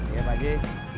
iya pak ji